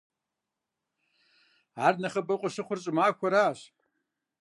Ар нэхъыбэу къыщыхъур щӀымахуэращ.